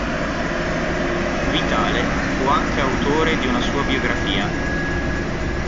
Vitale fu anche autore di una sua biografia.